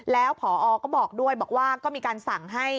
แล้วพอก็บอกด้วยบอกว่าก็มีการสั่งให้